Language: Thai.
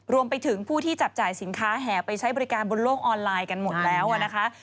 รวมไปถึงผู้ที่จับจ่ายสินค้าแห่ไปใช้บริการบนโลกออนไลน์กันหมดแล้วนะคะ